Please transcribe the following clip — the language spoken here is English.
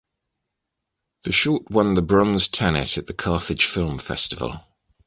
The short won the Bronze Tanit at the Carthage Film Festival.